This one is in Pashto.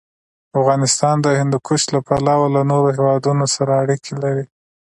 افغانستان د هندوکش له پلوه له نورو هېوادونو سره اړیکې لري.